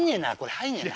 入んねえな。